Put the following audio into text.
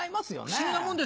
不思議なもんですね。